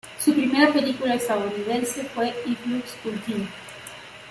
Su primera película estadounidense fue "If Looks Could Kill".